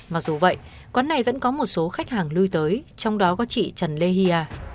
mặc dù vậy quán này vẫn có một số khách hàng lưu tới trong đó có chị trần lê hy